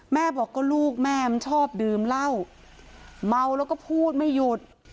แม่บอกก็ลูกแม่มันชอบดื่มเหล้าเมาแล้วก็พูดไม่หยุด